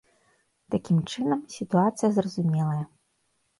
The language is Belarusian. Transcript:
Такім чынам, сітуацыя зразумелая.